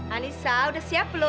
anissa udah siap lho